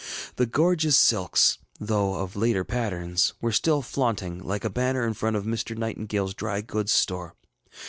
The gorgeous silks, though of later patterns, were still flaunting like a banner in front of Mr. NightingaleŌĆÖs dry goods store.